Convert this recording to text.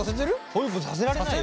ホイップさせられないよ。